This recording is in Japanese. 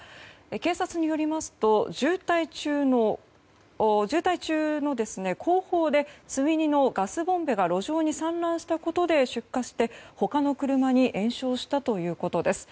警察によりますと渋滞中の後方で積み荷のガスボンベが路上に散乱したことで出火して、他の車に延焼したということです。